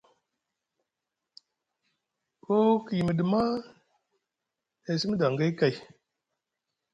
Koo ku yimiɗi maa, e simi daŋgay kay,